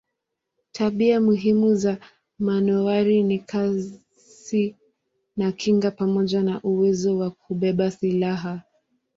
Tabia muhimu za manowari ni kasi na kinga pamoja na uwezo wa kubeba silaha.